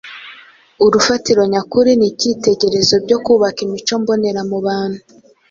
urufatiro nyakuri n’icyitegerezo byo kubaka imico mbonera mu bantu